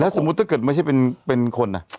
แล้วสมมติถ้าเกิดไม่ใช่เป็นคนอ่ะ